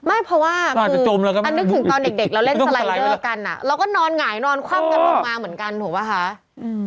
อาจจะจมแล้วก็ไม่คุย